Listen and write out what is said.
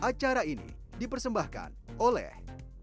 acara ini dipersembahkan oleh